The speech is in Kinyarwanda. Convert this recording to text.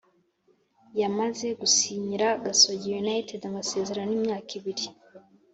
yamaze gusinyira gasogi united amasezerano y’imyaka ibiri.”